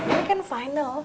ini kan final